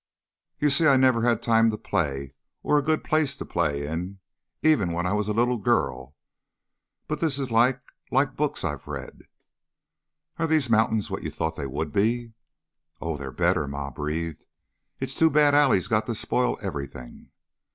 "You see, I never had time to play, or a good place to play in, even when I was a little girl. But this is like like books I've read." "Are these mountains what you thought they would be?" "Oh, they're better!" Ma breathed. "It's too bad Allie's got to spoil ever'thing."